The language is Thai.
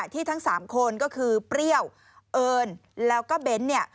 ขณะที่ทั้ง๓คนก็คือเปรี้ยวเอิญแล้วก็เบนส์